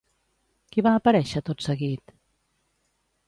Qui va aparèixer, tot seguit?